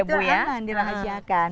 betul betul aman dirahasiakan